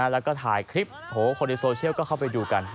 แล้วก็ถ่ายคลิปโหคนในโซเชียลก็เข้าไปดูกัน